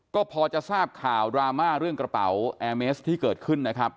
ก็พอจะทราบข่าวดราม่าเรื่องกระเป๋าแอร์เมสที่เกิดขึ้นนะครับ